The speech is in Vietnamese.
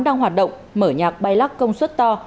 đang hoạt động mở nhạc bay lắc công suất to